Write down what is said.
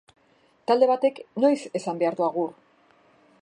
Talde batek noiz esan behar du agur?